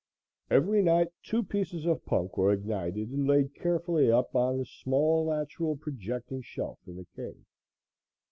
Every night two pieces of punk were ignited and laid carefully up on a small natural projecting shelf in the cave.